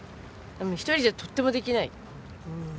一人じゃとってもできない。